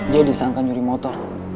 dia disangkan nyuri motor